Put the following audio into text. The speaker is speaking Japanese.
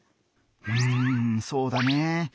うんそうだね